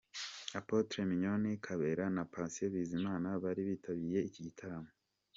Apotre Mignone Kabera na Patient Bizimana bari bitabiriye iki gitaramo.